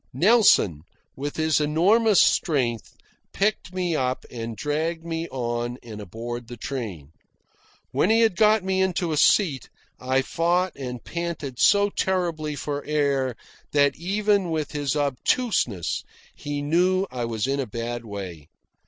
Nelson, with his enormous strength, picked me up and dragged me on and aboard the train. When he had got me into a seat, I fought and panted so terribly for air that even with his obtuseness he knew I was in a bad way.